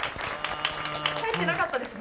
帰ってなかったですね。